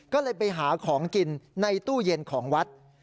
ก็เลยไปหาของกินในตู้เย็นของวัด